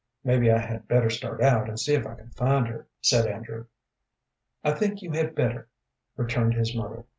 "Maybe I had better start out and see if I can find her," said Andrew. "I think you had better," returned his mother.